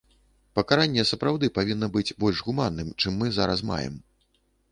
Пакаранне сапраўды павінна быць больш гуманным, чым мы зараз маем.